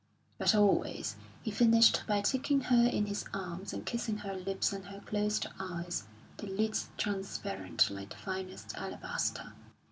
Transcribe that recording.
But always he finished by taking her in his arms and kissing her lips and her closed eyes, the lids transparent like the finest alabaster.